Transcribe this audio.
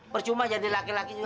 percuma jadi laki laki juga